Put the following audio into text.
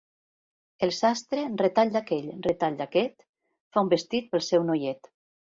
El sastre, retall d'aquell, retall d'aquest, fa un vestit pel seu noiet.